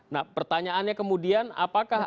nah pertanyaannya kemudian apakah